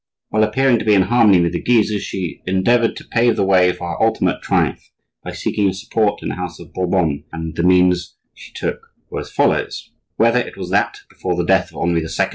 While appearing to be in harmony with the Guises, she endeavored to pave the way for her ultimate triumph by seeking a support in the house of Bourbon, and the means she took were as follows: Whether it was that (before the death of Henri II.)